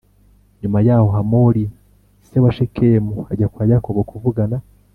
Nyuma yaho Hamori se wa Shekemu ajya kwa Yakobo kuvugana